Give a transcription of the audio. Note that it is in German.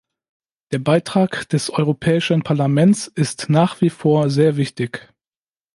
Der Beitrag des Europäischen Parlaments ist nach wie vor sehr wichtig.